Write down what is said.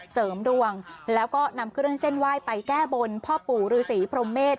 เสริมดวงแล้วก็นำเครื่องเส้นไหว้ไปแก้บนพ่อปู่ฤษีพรมเมษ